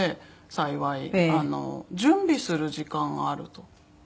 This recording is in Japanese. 準備する時間があると。